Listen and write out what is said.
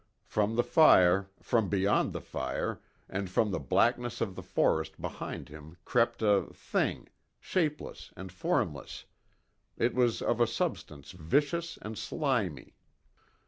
From the fire, from beyond the fire, and from the blackness of the forest behind him crept a thing shapeless, and formless, it was, of a substance vicious and slimy.